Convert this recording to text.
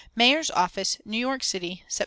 "Mayor's Office, New York City, Sept.